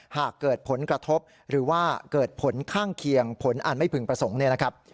หากเกิดผลกระทบหรือว่าเกิดผลข้างเคียงผลอ่านไม่ผึงประสงค์